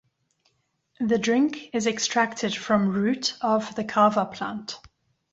The drink is extracted from root of the kava plant.